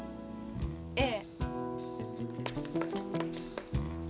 ええ。